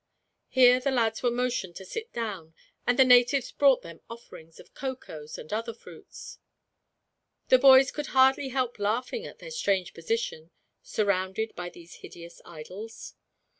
Here the lads were motioned to sit down, and the natives brought them offerings of cocoas, and other fruits. The boys could hardly help laughing at their strange position, surrounded by these hideous idols.